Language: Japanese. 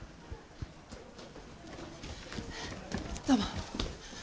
どうも。